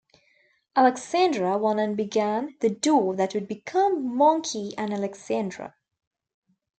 Alexandra won and began the duo that would become Monchy and Alexandra.